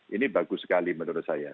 ini bagus sekali menurut saya